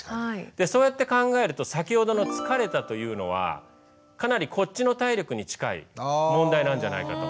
そうやって考えると先ほどの「疲れた」というのはかなりこっちの体力に近い問題なんじゃないかと思うわけです。